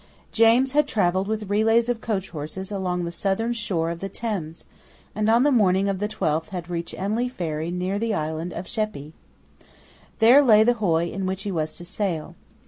James had travelled with relays of coach horses along the southern shore of the Thames, and on the morning of the twelfth had reached Emley Ferry near the island of Sheppey. There lay the hoy in which he was to sail.